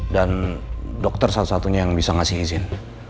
dan dokter satu satunya yang bisa ngasih izin